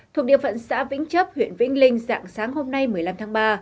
thuộc địa phận xã vĩnh chấp huyện vĩnh linh dạng sáng hôm nay một mươi năm tháng ba